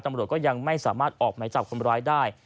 ตำรวจก็ยังไม่สามารถออกหมายจับคนร้ายได้